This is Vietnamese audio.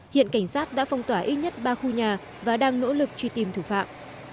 hiện cảnh sát đã phong tỏa ít nhất ba khu nhà và đang nỗ lực truy tìm thủ phạm